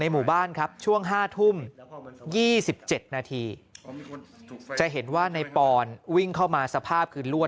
หมู่บ้านครับช่วง๕ทุ่ม๒๗นาทีจะเห็นว่าในปอนวิ่งเข้ามาสภาพคือลวด